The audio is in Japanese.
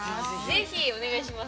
ぜひお願いします